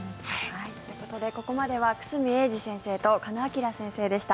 ここまでは久住英二先生と鹿野晃先生でした。